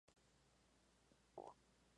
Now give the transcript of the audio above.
Allí tiene presencia en ocho distritos.